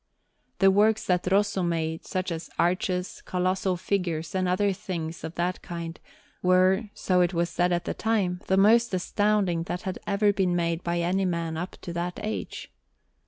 The works that Rosso made, such as arches, colossal figures, and other things of that kind, were, so it was said at the time, the most astounding that had ever been made by any man up to that age.